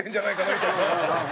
みたいな。